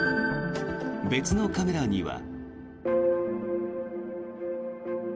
別のカメラには。